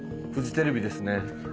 フジテレビですね。